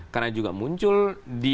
karena juga muncul di